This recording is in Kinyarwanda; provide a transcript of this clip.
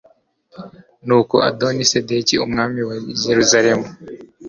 nuko adoni sedeki, umwami wa yeruzalemu